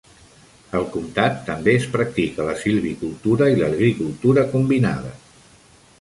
Al comtat també es practica la silvicultura i l'agricultura combinada.